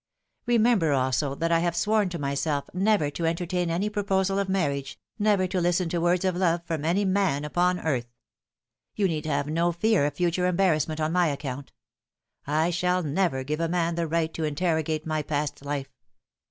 Remem ber also that 1 have sworn to myself never to entertain any proposal of marriage, never to listen to words of love from any man upon earth. You need have no fear of future embarrass ment on my account. I shall never give a man the right to interrogate my past life.